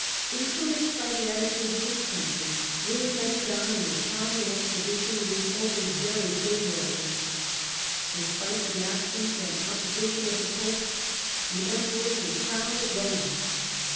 Lewis iu Encouraged by the attitude of his country, Lewis Italy entered on an Italian expedition, which opened very favourably. Despite the absence and opposition of the Pope, the Emperor was crowned at Rome.